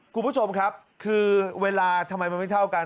คุณผู้ชมครับคือเวลาทำไมมันไม่เท่ากัน